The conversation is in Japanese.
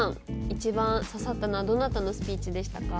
一番刺さったのはどなたのスピーチでしたか？